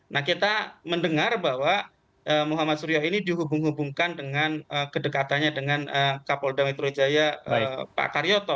nah kita mendengar bahwa muhammad suryo ini dihubung hubungkan dengan kedekatannya dengan kapolda metro jaya pak karyoto